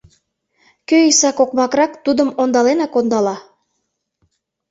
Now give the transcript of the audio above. Кӧ иссак окмакырак, тудым ондаленак ондала.